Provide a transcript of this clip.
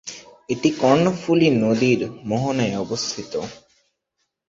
এটি কর্ণফুলী নদীর মোহনায় অবস্থিত।